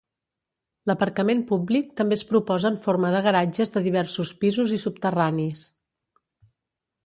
L'aparcament públic també es proposa en forma de garatges de diversos pisos i subterranis.